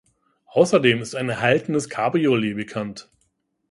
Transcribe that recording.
Außerdem ist ein erhaltenes Cabriolet bekannt.